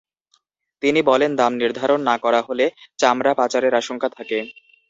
তিনি বলেন, দাম নির্ধারণ না করা হলে চামড়া পাচারের আশঙ্কা থাকে।